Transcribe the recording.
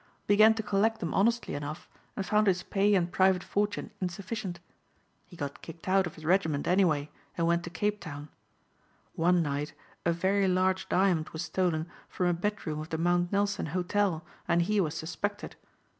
Began to collect them honestly enough and found his pay and private fortune insufficient. He got kicked out of his regiment anyway and went to Cape Town. One night a very large diamond was stolen from a bedroom of the Mount Nelson hotel and he was suspected.